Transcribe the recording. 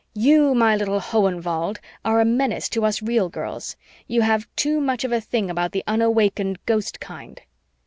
"You, my little von Hohenwald, are a menace to us real girls. You have too much of a thing about the unawakened, ghost kind."